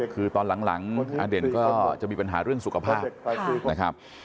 คือตอนหลังอเด่นก็จะมีปัญหาเรื่องสุขภาพนะครับ